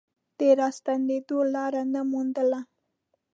د راستنېدو لاره نه موندله.